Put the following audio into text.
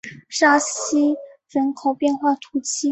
沙西人口变化图示